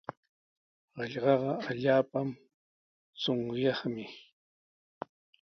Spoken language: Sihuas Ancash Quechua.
Hallqaqa allaapa chunyaqmi.